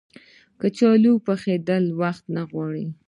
کچالو پخېدل وخت نه غواړي